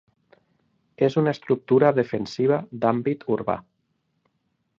És una estructura defensiva d'àmbit urbà.